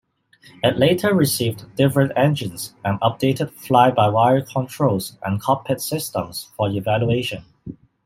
It later received different engines and updated fly-by-wire controls and cockpit systems for evaluation.